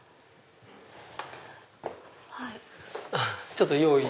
ちょっと用意。